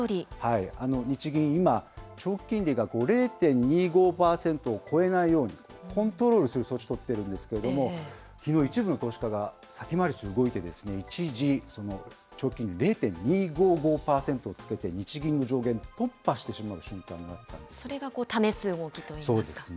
日銀、今、長期金利が０．２５％を超えないように、コントロールする措置を取ってるんですけれども、きのう、一部の投資家が先回りして動いて、一時、長期金利、０．２５５％をつけて、日銀の上限を突破してしまう瞬間があそれが試す動きといいますか。